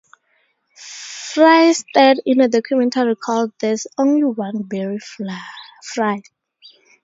Fry starred in a documentary called "There's Only One Barry Fry".